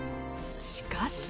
しかし。